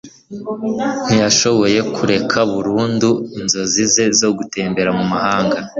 ntiyashoboye kureka burundu inzozi ze zo gutembera mu mahanga